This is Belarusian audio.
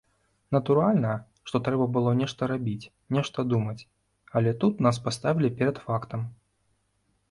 Натуральна, што трэба было нешта рабіць, нешта думаць, але тут нас паставілі перад фактам.